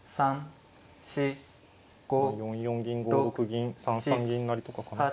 ４四銀５六銀３三銀成とかかな。